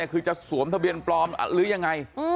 คือจะสวมทะเบียนปลอมหรือยังไง